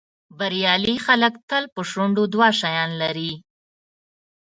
بریالي خلک تل په شونډو دوه شیان لري.